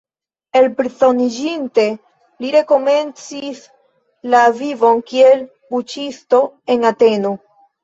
Elprizoniĝinte, li rekomencis la vivon kiel buĉisto en Ateno.